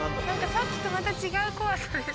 さっきとまた違う怖さです。